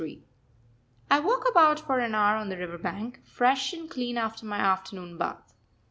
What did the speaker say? I walk about for an hour on the river bank, fresh and clean after my afternoon bath.